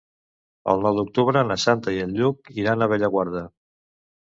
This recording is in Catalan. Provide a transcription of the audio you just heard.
El nou d'octubre na Sança i en Lluc iran a Bellaguarda.